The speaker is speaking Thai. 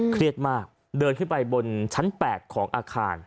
เครียดมากเดินขึ้นไปบนชั้น๘ของอาคาร